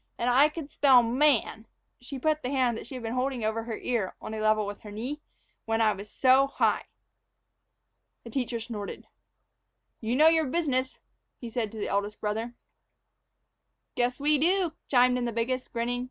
And I could spell 'man'" she put the hand that she had been holding over her ear on a level with her knee "when I was so high." The teacher snorted. "You know your own business," he said to the eldest brother. "Guess we do," chimed in the biggest, grinning.